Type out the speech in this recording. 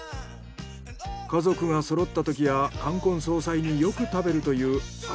家族がそろったときや冠婚葬祭によく食べるという味